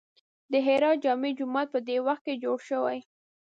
د هرات جامع جومات په دې وخت کې جوړ شوی.